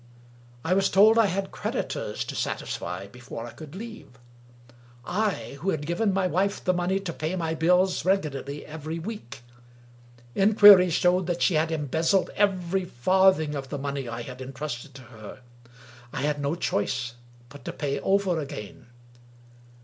I was told I had credit ors to satisfy before I could leave — I, who had given my wife the money to pay my bills regularly every week ! In quiry showed that she had embezzled every farthing of the money I had intrusted to her. I had no choice but to pay over again.